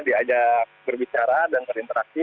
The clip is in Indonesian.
diajak berbicara dan berinteraksi